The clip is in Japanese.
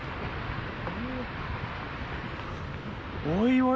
おい